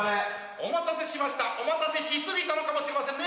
お待たせしましたお待たせし過ぎたのかもしれませんね。